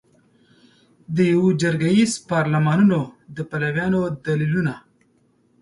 د یوه جرګه ایز پارلمانونو د پلویانو دلیلونه